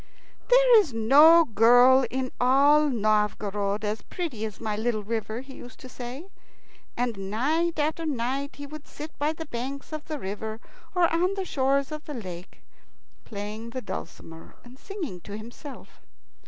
"There is no girl in all Novgorod as pretty as my little river," he used to say, and night after night he would sit by the banks of the river or on the shores of the lake, playing the dulcimer and singing to himself.